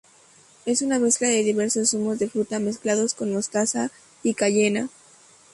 Es una mezcla de diversos zumos de fruta mezclados con mostaza y cayena.